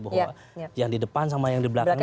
bahwa yang di depan sama yang di belakangnya